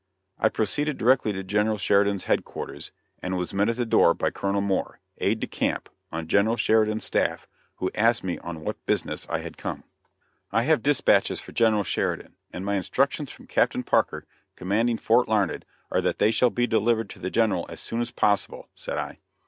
I proceeded directly to General Sheridan's headquarters, and, was met at the door, by Colonel Moore, aid de camp on General Sheridan's staff who asked me on what business I had come. "I have dispatches for General Sheridan, and my instructions from Captain Parker, commanding Fort Larned, are that they shall be delivered to the General as soon as possible," said I.